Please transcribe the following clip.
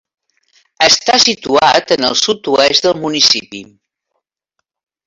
Està situat en el sud-oest del municipi.